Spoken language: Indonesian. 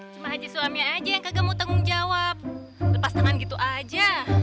cuma haji suamnya aja yang kagak mau tanggung jawab lepas tangan gitu aja